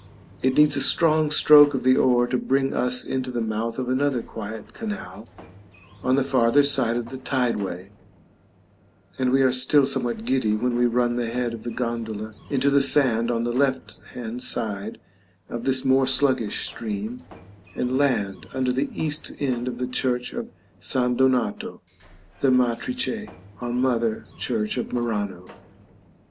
It needs a strong stroke of the oar to bring us into the mouth of another quiet canal on the farther side of the tide way, and we are still somewhat giddy when we run the head of the gondola into the sand on the left hand side of this more sluggish stream, and land under the east end of the Church of San Donato, the "Matrice" or "Mother" Church of Murano.